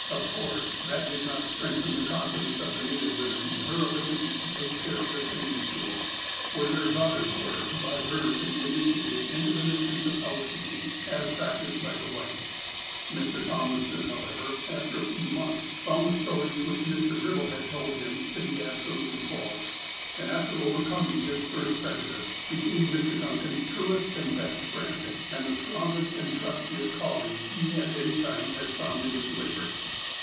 Of course, that did not strengthen the confidence of the native women in her ability to take care of the training school, where their daughters were, by her to be initiated into the mysteries of housekeeping, as practiced by the whites. Mr. Tomlinson, however, after a few months, found the stories which Mr. Gribbel had told him to be abso lutely false, and, after overcoming his first prejudice, became Mr. Duncan's truest and best friend, and the strongest and trustiest colleague he at any time has found in his labours.